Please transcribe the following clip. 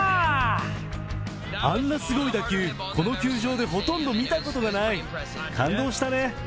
あんなすごい打球、この球場でほとんど見たことがない、感動したね。